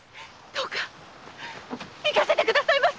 どうか行かせてくださいませ！